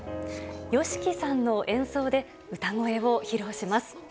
ＹＯＳＨＩＫＩさんの演奏で歌声を披露します。